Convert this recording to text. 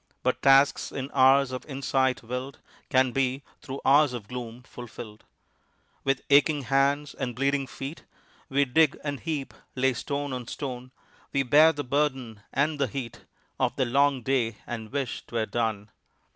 But tasks in hours of insight will'd Can be through hours of gloom fulfill'd With aching hands and bleeding feet We dig and heap, lay stone on stone; We bear the burden and the heat Of the long day and wish 'twere done.